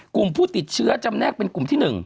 กลุ่มผู้ติดเชื้อจำแนกเป็นกลุ่มที่๑